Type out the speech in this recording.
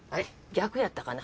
逆やったかな？